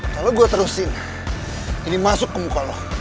kalau gue terusin ini masuk ke muka loh